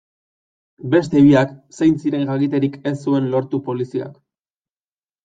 Beste biak zein ziren jakiterik ez zuen lortu Poliziak.